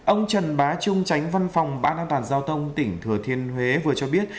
ông trần bá trung tránh văn phòng ban an toàn giao thông tỉnh thừa thiên huế vừa cho biết